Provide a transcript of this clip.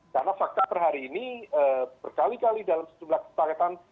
karena fakta terhari ini berkali kali dalam sejumlah kesepakatan